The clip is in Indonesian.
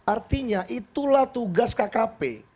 artinya itulah tugas kkp